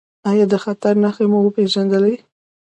ایا د خطر نښې مو وپیژندلې؟